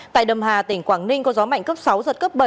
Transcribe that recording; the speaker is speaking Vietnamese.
tại đầm hà tỉnh quảng ninh có gió mạnh cấp sáu giật cấp bảy